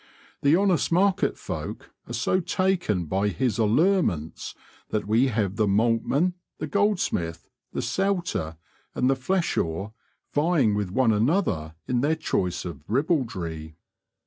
The honest market folk are so taken by his allurements that we have the maltman, the goldsmith, the "sowter," and the "fleshor" vieing with one another in their choice of ribaldry.